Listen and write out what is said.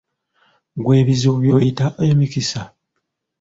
Gwe ebizibu by'oyita emikisa?